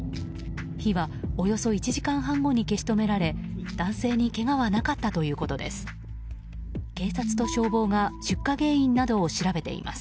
火はおよそ１時間半後に消し止められ男性にけがはなかったということです。